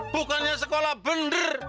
bukannya sekolah bener